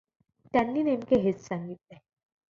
त्यांनी नेमके हेच सांगितले.